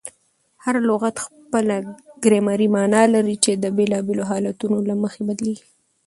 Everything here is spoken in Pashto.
هر لغت خپله ګرامري مانا لري، چي د بېلابېلو حالتونو له مخه بدلېږي.